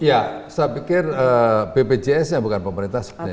ya saya pikir bpjs nya bukan pemerintah sebenarnya